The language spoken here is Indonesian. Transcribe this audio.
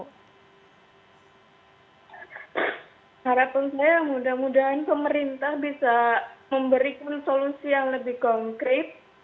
harapan saya mudah mudahan pemerintah bisa memberikan solusi yang lebih konkret